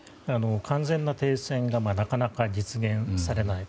完全な停戦がなかなか実現されない。